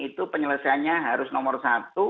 itu penyelesaiannya harus nomor satu